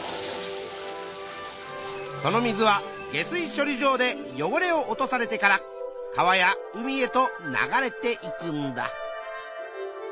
その水は下水処理場でよごれを落とされてから川や海へと流れていくんだ。